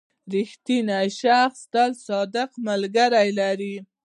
• رښتینی شخص تل صادق ملګري لري.